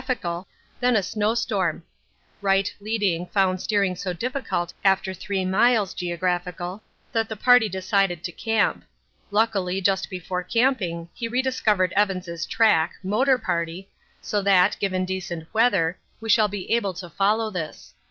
then a snowstorm. Wright leading found steering so difficult after three miles (geo.) that the party decided to camp. Luckily just before camping he rediscovered Evans' track (motor party) so that, given decent weather, we shall be able to follow this.